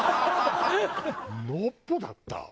「ノッポ」だった？